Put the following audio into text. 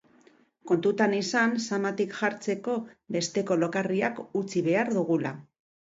Kontuan izan, samatik jartzeko besteko lokarria utzi behar dugula.